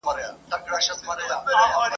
د دښمن له فکر او مِکره ناپوهي ده !.